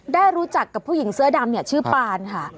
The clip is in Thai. ได้รู้จักกับผู้หญิงเสื้อดำเนี่ยชื่อปานค่ะ